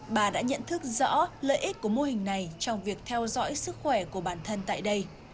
bà đã nhận thức rõ lợi ích của mô hình này trong việc theo dõi sức khỏe của bản thân tại đây